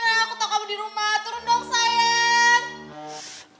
aku tau kamu dirumah turun dong sayang